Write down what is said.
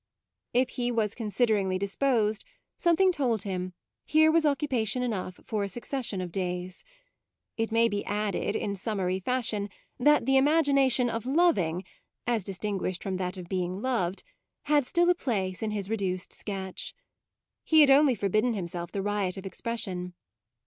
If he was consideringly disposed, something told him, here was occupation enough for a succession of days. It may be added, in summary fashion, that the imagination of loving as distinguished from that of being loved had still a place in his reduced sketch. He had only forbidden himself the riot of expression.